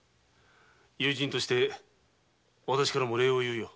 友人としてわたしからも礼を言うよ。